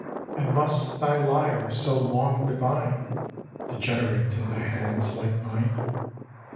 And must thy lyre, so long divine. Degenerate into hands like mine